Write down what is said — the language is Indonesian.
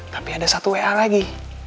tapi ada satu wa lagi